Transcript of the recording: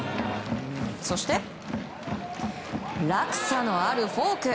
そして落差のあるフォーク。